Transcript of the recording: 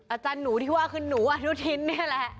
อาจารย์หนูที่ว่าคือหนูอนุทินนี่แหละ